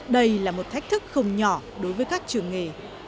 đây là một thách thức không nhỏ đối với các trường nghề